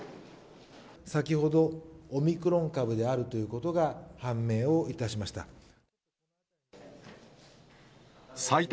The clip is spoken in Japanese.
先ほど、オミクロン株であるということが判明をいたしました。